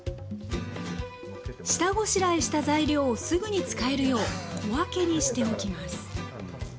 下ごしらえした材料をすぐに使えるよう小分けにしておきます